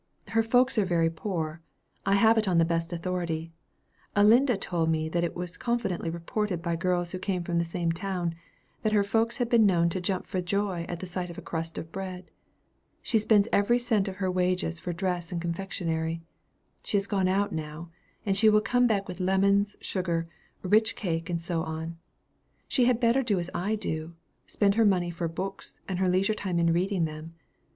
"Her folks are very poor. I have it on the best authority. Elinda told me that it was confidently reported by girls who came from the same town, that her folks had been known to jump for joy at the sight of a crust of bread. She spends every cent of her wages for dress and confectionary. She has gone out now; and she will come back with lemons, sugar, rich cake, and so on. She had better do as I do spend her money for books, and her leisure time in reading them.